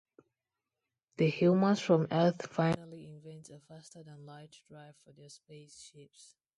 The humans from Earth finally invent a faster-than-light drive for their space ships.